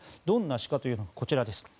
どんな詩かというのがこちらです。